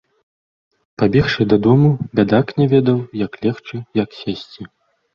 Прыбегшы дадому, бядак не ведаў, як легчы, як сесці.